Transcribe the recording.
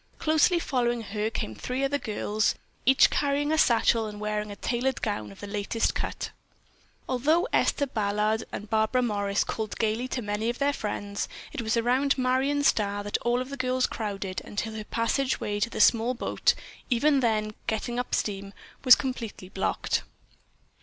Closely following her came three other girls, each carrying a satchel and wearing a tailored gown of the latest cut. Although Esther Ballard and Barbara Morris called gaily to many of their friends, it was around Marion Starr that all of the girls crowded until her passage way to the small boat, even then getting up steam, was completely blocked.